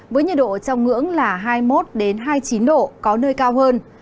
với nhiệt độ trong ngưỡng là hai mươi một hai mươi chín độ có nơi cao hơn